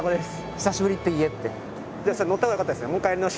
「『久しぶり』って言え」って。